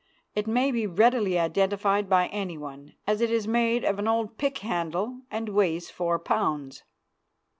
It may be readily identified by any one, as it is made of an old pickhandle and weighs four pounds.